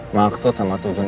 maksud sama tujuan